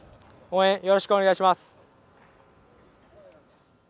応援よろしくお願いします。